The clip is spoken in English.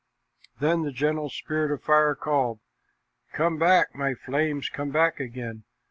Then the gentle Spirit of Fire called, "Come back, my flames, come back again!